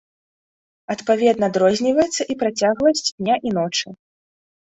Адпаведна адрозніваецца і працягласць дня і ночы.